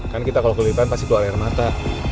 kan kita kalau kelipan pasti keluar air mata